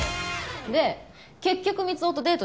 で結局光雄とデートして。